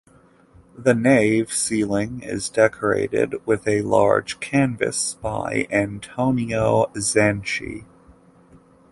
The nave ceiling is decorated with a large canvas by Antonio Zanchi.